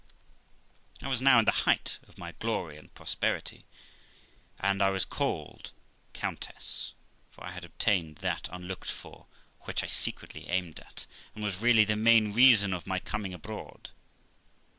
I was now in the height of my glory and prosperity, and I was called the Countess de ; for I had obtained that unlocked for, which I secretly aimed at, and was really the main reason of my coming abroad.